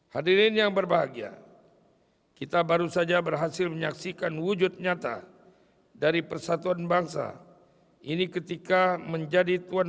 hadirin yang berbahagia kita baru saja berhasil menyaksikan wujud nyata dari persatuan bangsa ini ketika menjadi tuan